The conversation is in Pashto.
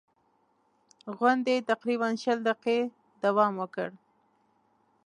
غونډې تقریباً شل دقیقې دوام وکړ.